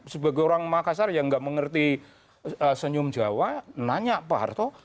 sebagai orang makassar yang nggak mengerti senyum jawa nanya pak harto